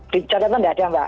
dicatatan tidak ada mbak